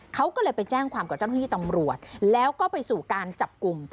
เขาก็เลยไปแจ้งความกับเจ้าหน้าที่ตำรวจแล้วก็ไปสู่การจับกลุ่ม